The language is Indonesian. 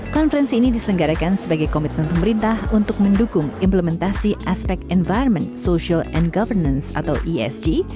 konferensi ini diselenggarakan sebagai komitmen pemerintah untuk mendukung implementasi aspek environment social and governance atau esg